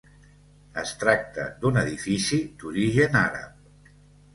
Es tracta d'un edifici d'origen àrab.